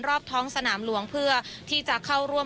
รอบท้องสนามหลวงเพื่อที่จะเข้าร่วม